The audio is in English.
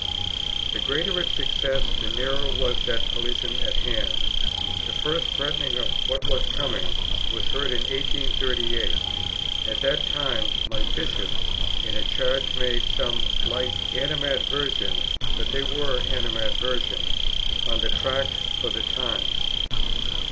The greater its success, the nearer was that collision at hand. The first threatenings of what was coming were heard in 1838. At that time, my Bishop in a Charge made some light animadversions, but they were animadversions, on the Tracts for the Times.